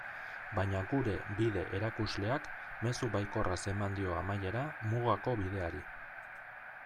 Baina gure bide-erakusleak mezu baikorraz eman dio amaiera Mugako Bideari.